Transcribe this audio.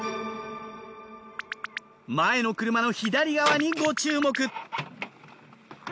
前の車の左側にご注目。